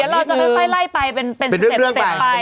เดี๋ยวเราจะไปไล่ไปเป็นเกี่ยวกันในสกัดไป